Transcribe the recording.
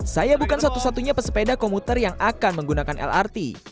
saya bukan satu satunya pesepeda komuter yang akan menggunakan lrt